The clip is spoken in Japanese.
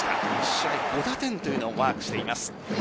１試合５打点をマークしています。